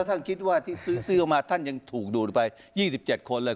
ฉันก็คิดว่าที่ซื้อออกมาท่านยังถูกดูดไปยี่สิบเจ็ดคนเลย